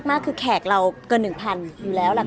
ขึ้นมากคือแขกเราเกินหนึ่งพันอยู่แล้วหลัก